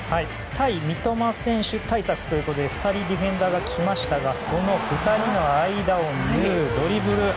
対三笘選手対策ということで２人ディフェンダーが来ましたがその２人の間を縫うドリブル。